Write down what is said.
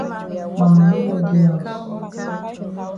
Ma mami no dey haus.